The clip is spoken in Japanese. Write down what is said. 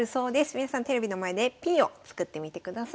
皆さんテレビの前でＰを作ってみてください。